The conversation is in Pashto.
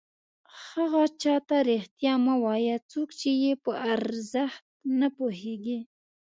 هغه چاته رښتیا مه وایه څوک چې یې په ارزښت نه پوهېږي.